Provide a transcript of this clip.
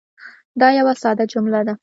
دا یوه ساده جمله ده.